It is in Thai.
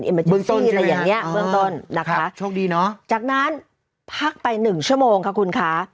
อิมเบิ้ลต้นใช่ไหมครับอ๋อบึงต้นนะคะช่วงดีเนอะจากนั้นพักไปหนึ่งชั่วโมงค่ะคุณคะ